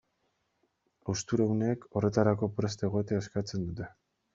Haustura uneek horretarako prest egotea eskatzen dute.